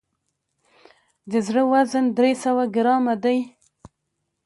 د زړه وزن درې سوه ګرامه دی.